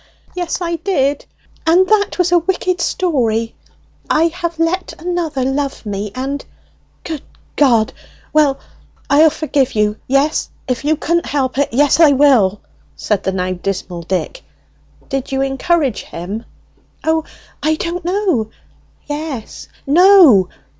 "Yes, I did; and that was a wicked story! I have let another love me, and " "Good G ! Well, I'll forgive you, yes, if you couldn't help it, yes, I will!" said the now dismal Dick. "Did you encourage him?" "O, I don't know, yes no.